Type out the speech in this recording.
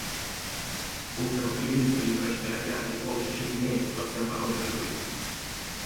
Будто бы появились призрачные отряды, полчища теней, во всем подобных живым.